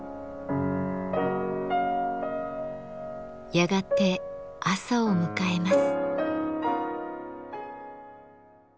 やがて朝を迎えます。